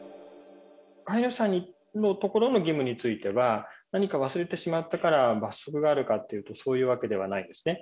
飼い主さんのところの義務については、何か忘れてしまったから罰則があるかというと、そういうわけではないですね。